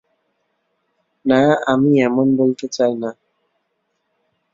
না আমি এমন বলতে চাই না।